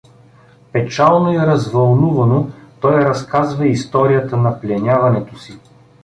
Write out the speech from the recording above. Печално и развълнувано той разказва историята на пленяването си.